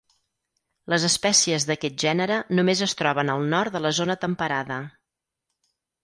Les espècies d'aquest gènere només es troben al nord de la zona temperada.